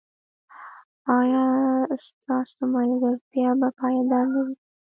ایا ستاسو ملګرتیا به پایداره نه وي؟